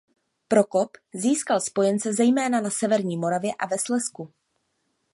Prokop získal spojence zejména na severní Moravě a ve Slezsku.